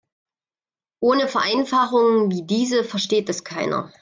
Ohne Vereinfachungen wie diese versteht es keiner.